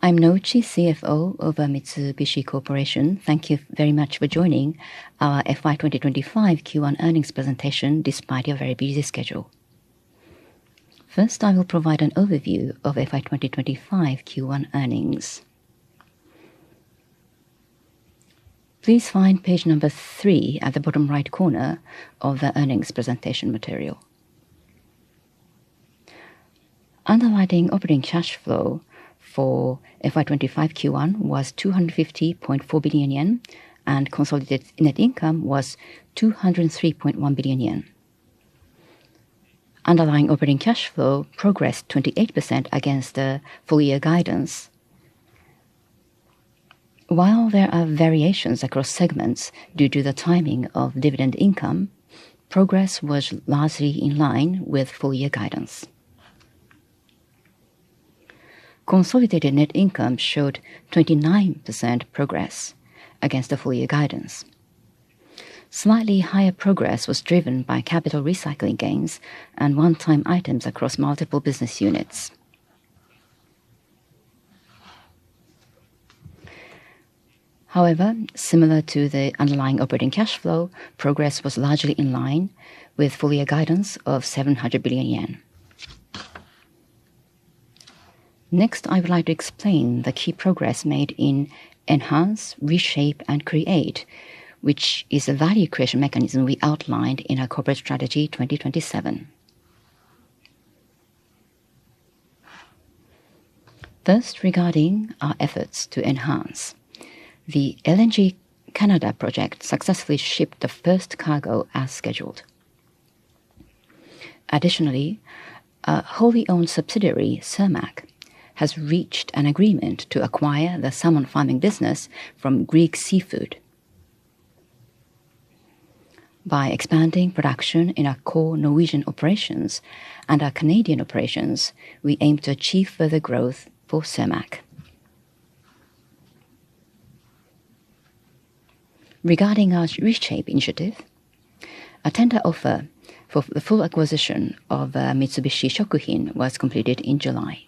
I'm Nouchi, CFO of Mitsubishi Corporation. Thank you very much for joining our FY 2025 Q1 earnings presentation despite your very busy schedule. First, I will provide an overview of FY 2025 Q1 earnings. Please find page number three at the bottom right corner of the earnings presentation material. Underlying operating cash flow for FY 2025 Q1 was 250.4 billion yen, and consolidated net income was 203.1 billion yen. Underlying operating cash flow progressed 28% against the full-year guidance. While there are variations across segments due to the timing of dividend income, progress was largely in line with full-year guidance. Consolidated net income showed 29% progress against the full-year guidance. Slightly higher progress was driven by capital recycling gains and one-time items across multiple business units. However, similar to the underlying operating cash flow, progress was largely in line with full-year guidance of 700 billion yen. Next, I would like to explain the key progress made in Enhance, Reshape, and Create, which is a value creation framework we outlined in our Corporate Strategy 2027. First, regarding our efforts to Enhance, the LNG Canada project successfully shipped the first cargo as scheduled. Additionally, a wholly owned subsidiary, Cermaq, has reached an agreement to acquire the salmon farming business from Grieg Seafood. By expanding production in our core Norwegian operations and our Canadian operations, we aim to achieve further growth for Cermaq. Regarding our Reshape initiative, a tender offer for the full acquisition of Mitsubishi Shokuhin was completed in July.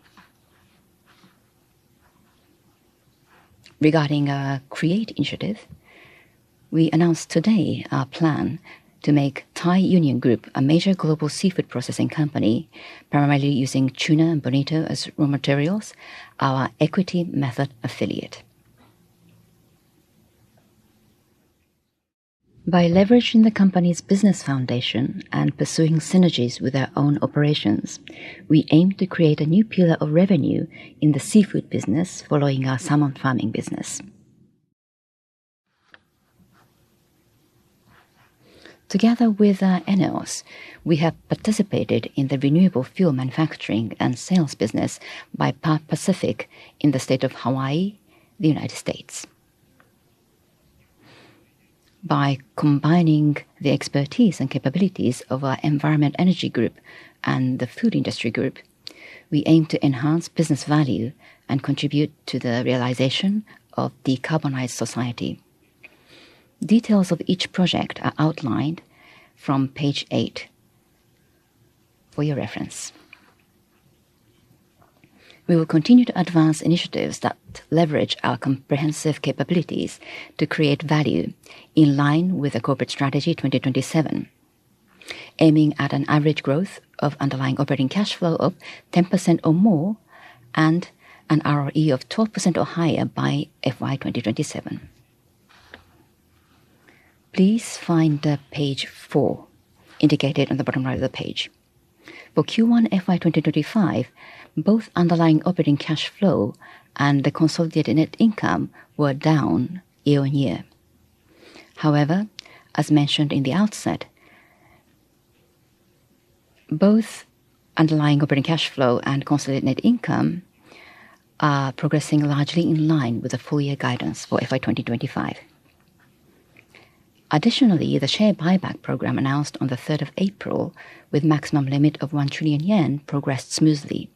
Regarding our Create initiative, we announced today our plan to make Thai Union Group, a major global seafood processing company primarily using tuna and bonito as raw materials, our equity-method affiliate. By leveraging the company's business foundation and pursuing synergies with our own operations, we aim to create a new pillar of revenue in the seafood business following our salmon farming business. Together with NLS, we have participated in the renewable fuel manufacturing and sales business by Par Pacific in the state of Hawaii, United States. By combining the expertise and capabilities of our Environment Energy Group and the Food Industry Group, we aim to enhance business value and contribute to the realization of a decarbonized society. Details of each project are outlined from page eight for your reference. We will continue to advance initiatives that leverage our comprehensive capabilities to create value in line with the Corporate Strategy 2027, aiming at an average growth of underlying operating cash flow of 10% or more and an ROE of 12% or higher by FY 2027. Please find page four indicated on the bottom right of the page. For Q1 FY 2025, both underlying operating cash flow and the consolidated net income were down year-on-year. However, as mentioned in the outset, both underlying operating cash flow and consolidated net income are progressing largely in line with the full-year guidance for FY 2025. Additionally, the share buyback program announced on the 3rd of April with a maximum limit of 1 trillion yen progressed smoothly,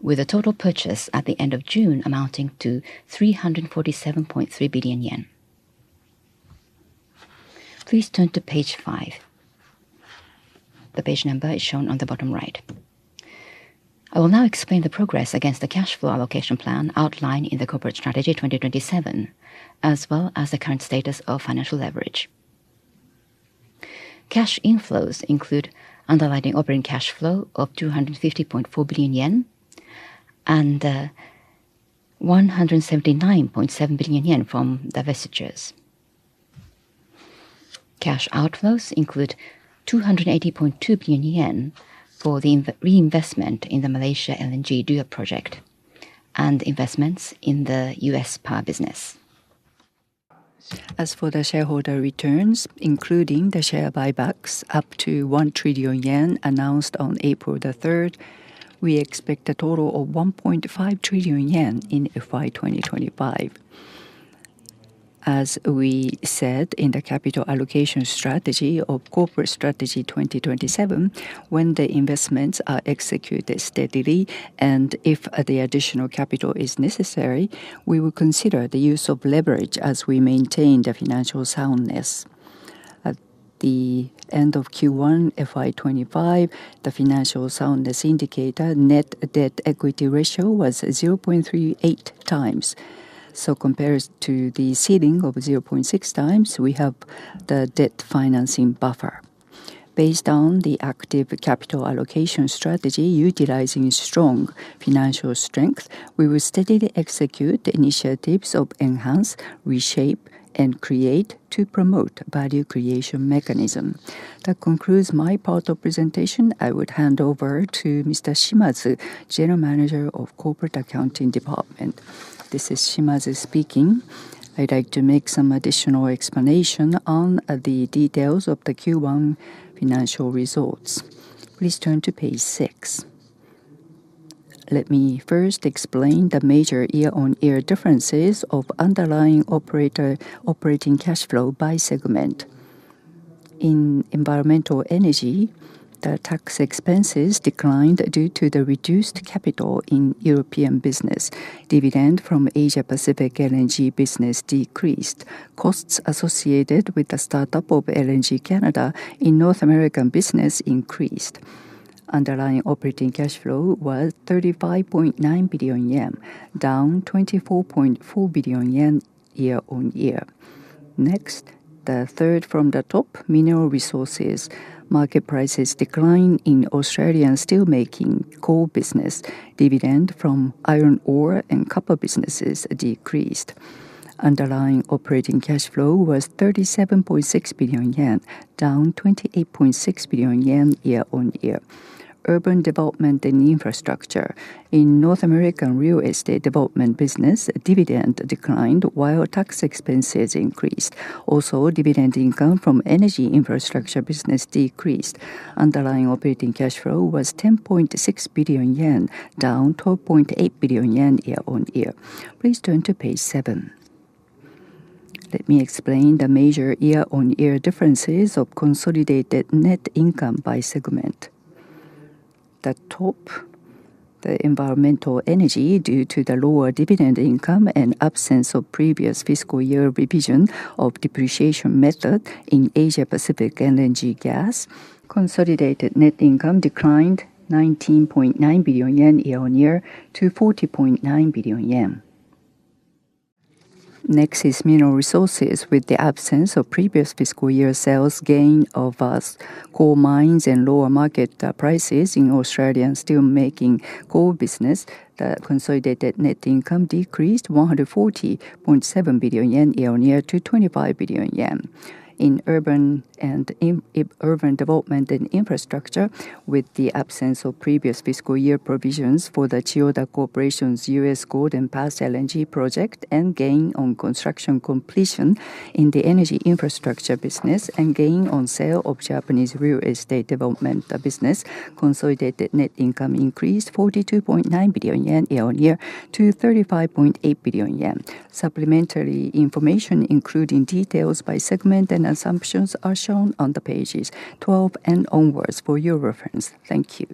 with a total purchase at the end of June amounting to 347.3 billion yen. Please turn to page five. The page number is shown on the bottom right. I will now explain the progress against the cash flow allocation plan outlined in the Corporate Strategy 2027, as well as the current status of financial leverage. Cash inflows include underlying operating cash flow of 250.4 billion yen and 179.7 billion yen from divestitures. Cash outflows include 280.2 billion yen for the reinvestment in the Malaysia LNG Dua project and investments in the U.S. PAR business. As for the shareholder returns, including the share buybacks up to 1 trillion yen announced on April 3rd, we expect a total of 1.5 trillion yen in FY 2025. As we said in the capital allocation strategy of Corporate Strategy 2027, when the investments are executed steadily and if the additional capital is necessary, we will consider the use of leverage as we maintain the financial soundness. At the end of Q1 FY 2025, the financial soundness indicator net debt-to-equity ratio was 0.38x. Compared to the ceiling of 0.6x, we have the debt financing buffer. Based on the active capital allocation strategy, utilizing strong financial strength, we will steadily execute the initiatives of Enhance, Reshape, and Create to promote value creation framework. That concludes my part of the presentation. I would hand over to Mr. Shimazu, General Manager of the Corporate Accounting Department. This is Shimazu speaking. I'd like to make some additional explanation on the details of the Q1 financial results. Please turn to page six. Let me first explain the major year-on-year differences of underlying operating cash flow by segment. In environmental energy, the tax expenses declined due to the reduced capital in European business. Dividend from Asia Pacific LNG business decreased. Costs associated with the startup of LNG Canada in North American business increased. Underlying operating cash flow was 35.9 billion yen, down 24.4 billion yen year-on-year. Next, the third from the top, mineral resources. Market prices declined in Australian steelmaking coal business. Dividend from iron ore and copper businesses decreased. Underlying operating cash flow was 37.6 billion yen, down 28.6 billion yen year-on-year. Urban development and infrastructure. In North American real estate development business, dividend declined while tax expenses increased. Also, dividend income from energy infrastructure business decreased. Underlying operating cash flow was 10.6 billion yen, down 12.8 billion yen year-on-year. Please turn to page seven. Let me explain the major year-on-year differences of consolidated net income by segment. The top, the environmental energy due to the lower dividend income and absence of previous fiscal year revision of depreciation method in Asia Pacific LNG gas, consolidated net income declined 19.9 billion yen year-on-year to 40.9 billion yen. Next is mineral resources with the absence of previous fiscal year sales gain of coal mines and lower market prices in Australian steelmaking coal business. The consolidated net income decreased 140.7 billion yen year-on-year to 25 billion yen. In urban development and infrastructure, with the absence of previous fiscal year provisions for the Chiyoda Corporation's U.S. Golden Pass LNG project and gain on construction completion in the energy infrastructure business and gain on sale of Japanese real estate development business, consolidated net income increased 42.9 billion yen year-on-year to 35.8 billion yen. Supplementary information, including details by segment and assumptions, are shown on pages 12 and onwards for your reference. Thank you.